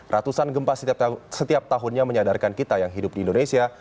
ratusan gempa setiap tahunnya menyadarkan kita yang hidup di indonesia